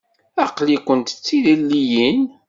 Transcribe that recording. Aql-ikent d tilelliyin?